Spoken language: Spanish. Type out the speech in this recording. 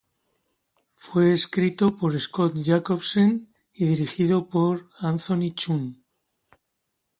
Fue escrito por Scott Jacobsen y dirigido por Anthony Chun.